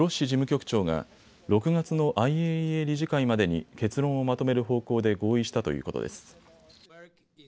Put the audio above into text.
事務局長が６月のＩＡＥＡ理事会までに結論をまとめる方向で合意したということです。